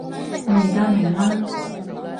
我而家明喇